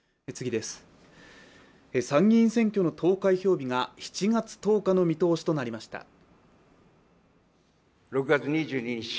参議院選挙の投開票日が７月１０日の見通しとなりました。